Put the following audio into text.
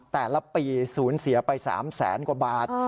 แต่ละปีสูญเสียไป๓แสนกว่าบาท